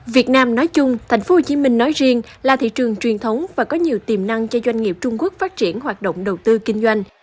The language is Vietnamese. việt nam nói chung tp hcm nói riêng là thị trường truyền thống và có nhiều tiềm năng cho doanh nghiệp trung quốc phát triển hoạt động đầu tư kinh doanh